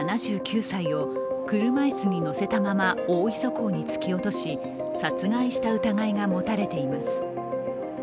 ７９歳を車椅子に乗せたまま大磯港に突き落とし、殺害した疑いが持たれています。